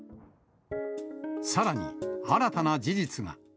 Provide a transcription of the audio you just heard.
さらに、新たな事実が。